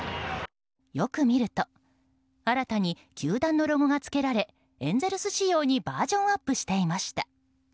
よく見ると新たに球団のロゴがつけられエンゼルス仕様にバージョンアップしていました。